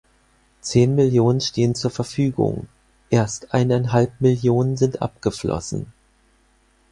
Zehn Millionen stehen zur Verfügung, erst eineinhalb Millionen sind abgeflossen.